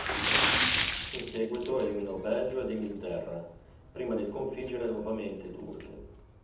In seguito eliminò Belgio ed Inghilterra, prima di sconfiggere nuovamente i turchi.